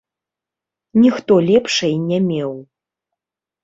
Ніхто лепшай не меў.